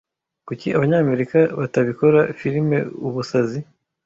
kuki Abanyamerika batabikora Filime Ubusazi